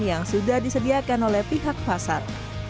yang sudah disediakan oleh pihak pasar